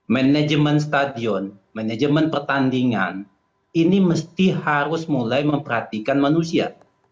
manajemen stadion manajemen pertandingan ini mesti harus mulai memperhatikan manusia